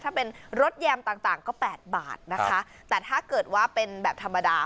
ถ้าเป็นรถแยมต่างต่างก็แปดบาทนะคะแต่ถ้าเกิดว่าเป็นแบบธรรมดา